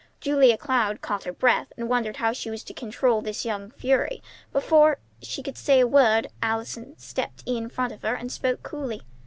Julia Cloud caught her breath, and wondered how she was to control this young fury; but before she could say a word Allison stepped in front of her, and spoke coolly.